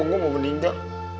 engkau gue mau meninggal